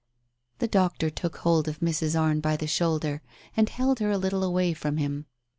The doctor took hold of Mrs. Arne by the shoulder, and held her a little away from him.